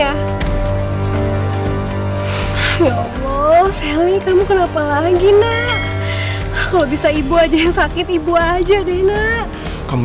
ya allah sally kamu kenapa lagi nak kalau bisa ibu aja yang sakit ibu aja deh nak kamu